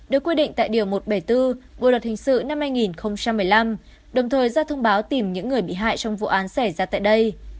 được quy định tại điều một trăm bảy mươi bốn bộ luật hình sự năm hai nghìn một mươi năm đồng thời ra thông báo tìm những người bị hại trong vụ án xảy ra tại đây